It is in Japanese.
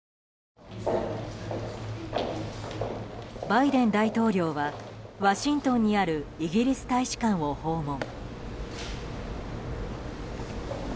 バイデン大統領はワシントンにあるイギリス大使館を訪問。